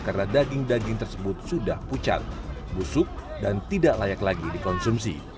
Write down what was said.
karena daging daging tersebut sudah pucat busuk dan tidak layak lagi dikonsumsi